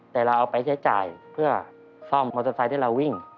แต่เราเอาไปใช้จ่ายเพื่อซ่อมมอเตอร์ไซค์ที่เราวิ่ง